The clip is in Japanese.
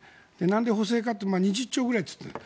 なんで補正かって２０兆ぐらいって言っていた。